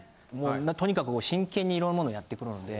とにかく真剣にいろんなものやってくので。